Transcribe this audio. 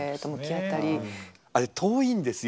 あれ遠いんですよ。